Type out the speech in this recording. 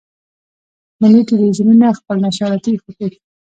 ملي ټلویزیونونه خپل نشراتي خطوط.